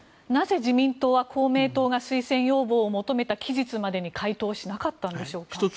なぜ自民党は公明党が推薦要望を求めた期日までに回答しなかったんでしょうか。